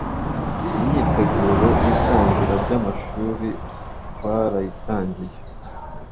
imyiteguro y'itangira ry'amashuri twarayitangiye.